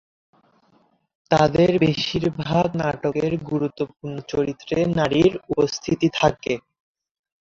তাদের বেশির ভাগ নাটকের গুরুত্বপূর্ণ চরিত্রে নারীর উপস্থিতি থাকে।